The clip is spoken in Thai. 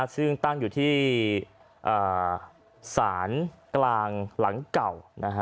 ซึ่งตั้งอยู่ที่ศาลกลางหลังเก่า